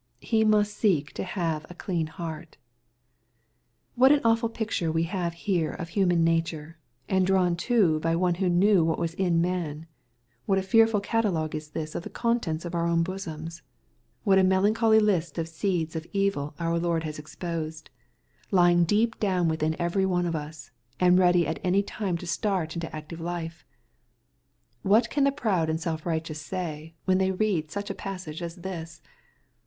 He must seek to have " a clean heart/' What an awful picture we have here of human nature, and drawn too by one who knew what was in man I What a fearful catalogue is this of the contents of our own bosoms 1 What a melancholy list of seeds of evil our Lord has exposed, lying deep down within every one of us, and ready at any time to start into active life 1 What can the proud and self righteous say, when they read such a passage as this